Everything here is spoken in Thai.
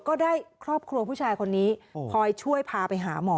ก็ได้ครอบครัวผู้ชายคนนี้คอยช่วยพาไปหาหมอ